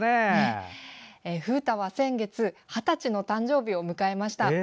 風太は先月、二十歳の誕生日を迎えました。